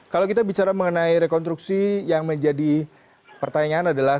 kalau kita bicara mengenai rekonstruksi yang menjadi pertanyaan adalah